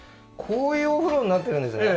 こういうお風呂になってるんですね